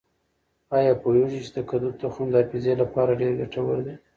آیا پوهېږئ چې د کدو تخم د حافظې لپاره ډېر ګټور دی؟